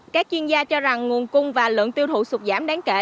các chuyên gia cho rằng nguồn cung và lượng tiêu thụ sụt giảm đáng kể